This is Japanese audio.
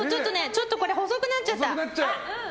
ちょっと細くなっちゃった。